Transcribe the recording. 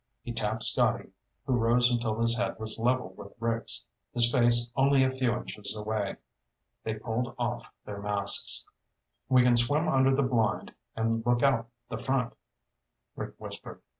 He tapped Scotty, who rose until his head was level with Rick's, his face only a few inches away. They pulled off their masks. "We can swim under the blind and look out the front," Rick whispered.